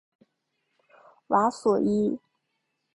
瓦索伊。